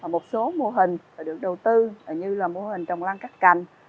một số mô hình được đầu tư như là mô hình trồng lăng cắt cành